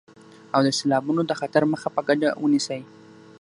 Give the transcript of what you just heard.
او د سيلابونو د خطر مخه په ګډه ونيسئ.